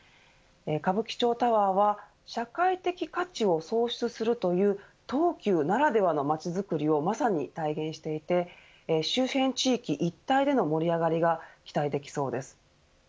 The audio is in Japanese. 歌舞伎町タワーは社会的価値を創出するという東急ならではの街づくりをまさに体現していて周辺地域一帯での盛り上がりが期待できそうです。